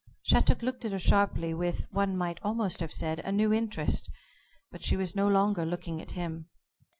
Shattuck looked at her sharply, with, one might almost have said, a new interest, but she was no longer looking at him.